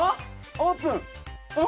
オープン！